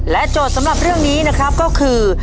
โจทย์สำหรับเรื่องนี้นะครับก็คือ